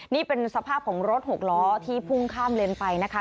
นี่เป็นสภาพของรถหกล้อที่พุ่งข้ามเลนไปนะคะ